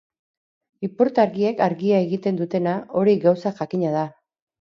Ipurtargiek argia egiten dutena, hori gauza jakina da.